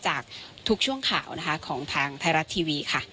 จากทุกช่วงข่าวของทางไทยรัฐทีวี